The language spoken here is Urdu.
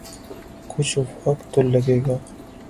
کچھ وقت تو لگے گا۔